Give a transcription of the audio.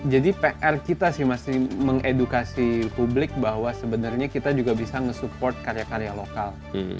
jadi pr kita sih masih mengedukasi publik bahwa sebenarnya kita juga bisa ngesupport karya karya lokal